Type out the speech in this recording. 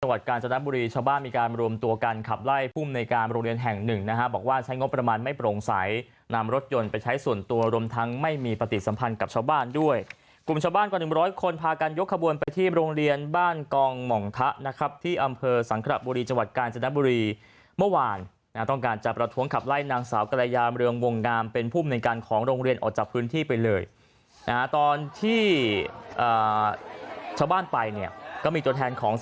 จังหวัดกาลจนบุรีชาวบ้านมีการรวมตัวการขับไล่ภูมิในการโรงเรียนแห่งหนึ่งนะฮะบอกว่าใช้งบประมาณไม่โปร่งใสนำรถยนต์ไปใช้ส่วนตัวรวมทั้งไม่มีปฏิสัมพันธ์กับชาวบ้านด้วยกลุ่มชาวบ้านกว่า๑๐๐คนพากันยกขบวนไปที่โรงเรียนบ้านกองหม่องทะนะครับที่อำเภอสังครับบุรีจังหวัดกาลจน